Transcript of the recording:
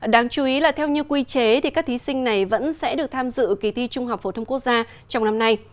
đáng chú ý là theo như quy chế thì các thí sinh này vẫn sẽ được tham dự kỳ thi trung học phổ thông quốc gia trong năm nay